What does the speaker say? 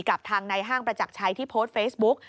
กับทางในห้างประจักรชัยที่โพสต์เฟซบุ๊ก